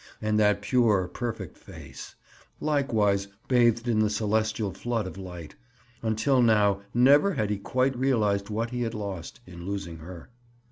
And that pure, perfect face, likewise bathed in the celestial flood of light—until now, never had he quite realized what he had lost, in losing her.